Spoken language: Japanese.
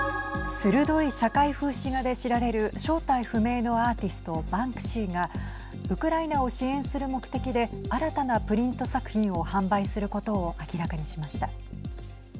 鋭い社会風刺画で知られる正体不明のアーティストバンクシーがウクライナを支援する目的で新たなプリント作品を販売することを明らかにしました。